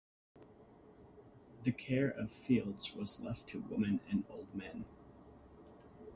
The care of the fields was left to the women and old men.